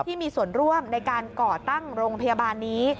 ที่มีส่วนร่วมในการก่อตั้งโรงพยาบาลนี้